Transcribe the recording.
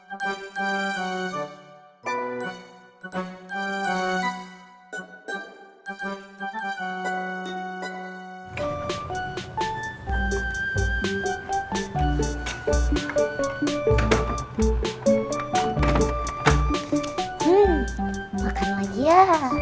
hmm makan lagi ya